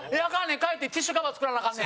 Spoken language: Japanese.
帰ってティッシュカバー作らなアカンねん」。